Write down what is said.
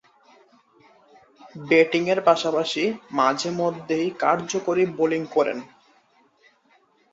ব্যাটিংয়ের পাশাপাশি মাঝে-মধ্যেই কার্যকরী বোলিং করেন।